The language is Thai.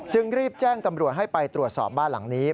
รีบแจ้งตำรวจให้ไปตรวจสอบบ้านหลังนี้